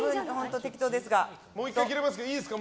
もう１回切れますがいいですか？